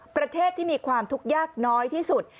ประเทศที่มีความทุกข์ยากน้อยที่สุด